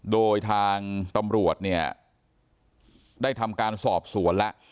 โดยทางตำรวจเนี่ยได้ทำการสอบสวนแล้ว